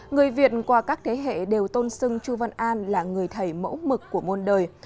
người việt qua các thế hệ đều tôn sưng chu văn an là người thầy mẫu mực của môn đời